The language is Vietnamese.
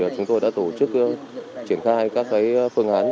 chúng tôi đã tổ chức triển khai các phương án